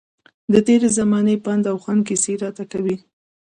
د تېرې زمانې پند او خوند کیسې راته کوي.